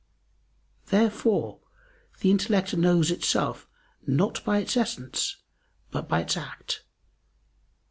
Therefore the intellect knows itself not by its essence, but by its act.